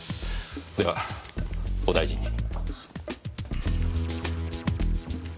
ではお大事に。